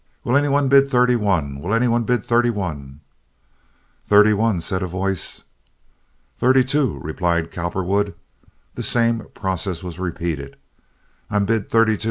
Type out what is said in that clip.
Will any one bid thirty one? Will any one bid thirty one?" "Thirty one," said a voice. "Thirty two," replied Cowperwood. The same process was repeated. "I'm bid thirty two!